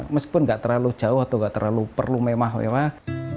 meskipun nggak terlalu jauh atau nggak terlalu perlu mewah mewah